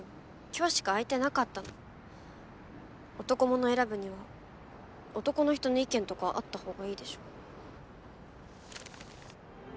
今日しか空いてなかったの男物選ぶには男の人の意見とかあったほうがいいでしょ